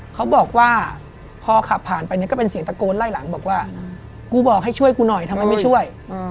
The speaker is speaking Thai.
เขาบอกว่าพอขับผ่านไปเนี่ยก็เป็นเสียงตะโกนไล่หลังบอกว่ากูบอกให้ช่วยกูหน่อยทำไมไม่ช่วย